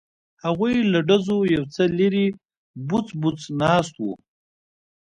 هغوی له ډزو یو څه لرې بوڅ بوڅ ناست وو.